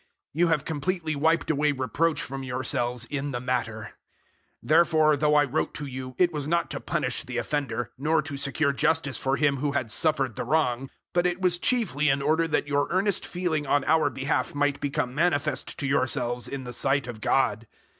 You have completely wiped away reproach from yourselves in the matter. 007:012 Therefore, though I wrote to you, it was not to punish the offender, nor to secure justice for him who had suffered the wrong, but it was chiefly in order that your earnest feeling on our behalf might become manifest to yourselves in the sight of God.